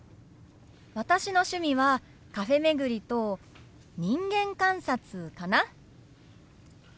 私の趣味はカフェ巡りと人間観察かな。